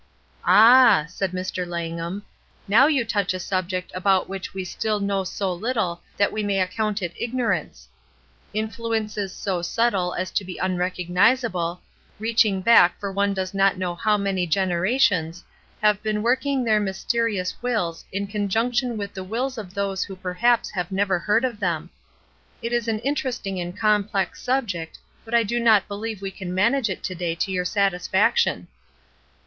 ''Ah!" said Mr. Langham, "now you touch a subject about which we still know so Uttle that we may account it ignorance. Influences so subtle as to be unrecognizable, reaching back for one does not know how many genera tions, have been working their mysterious wills in conjunction with the wills of those who per THEORY AND PRACTICE 207 haps have never heard of them. It is an in teresting and complex subject, but I do not believe we can manage it to day to your satis faction.